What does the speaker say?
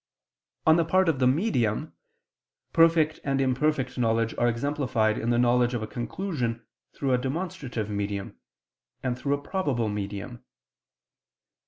On the part of the medium, perfect and imperfect knowledge are exemplified in the knowledge of a conclusion through a demonstrative medium, and through a probable medium.